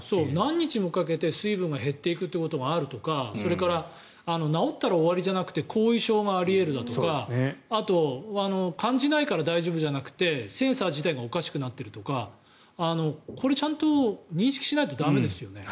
何日もかけて水分が減っていくっていうことがあるとかそれから治ったら終わりじゃなくて後遺症があり得るだとかあと感じないから大丈夫じゃなくてセンサー自体がおかしくなっているとかこれ、ちゃんと認識しないと駄目ですよね。